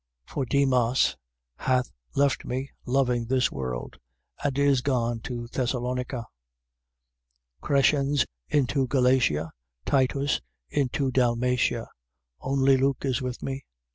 4:9. For Demas hath left me, loving this world, and is gone to Thessalonica: 4:10. Crescens into Galatia, Titus into Dalmatia. 4:11. Only Luke is with me.